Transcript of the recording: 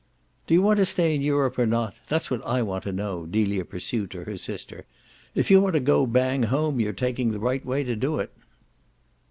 "Do you want to stay in Europe or not? that's what I want to know," Delia pursued to her sister. "If you want to go bang home you're taking the right way to do it."